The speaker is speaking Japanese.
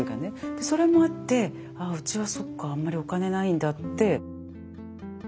でそれもあって「ああうちはそっかあんまりお金ないんだ」って。